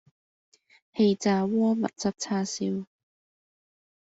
氣炸鍋蜜汁叉燒